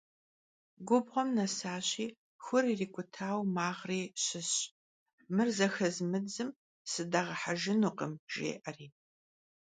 Gubğuem nesaşi xur yirik'utaue mağri şısş «mır zexezmıdzım sıdağehejjınukhım» jjê'eri.